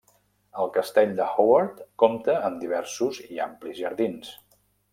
El castell de Howard compta amb diversos i amplis jardins.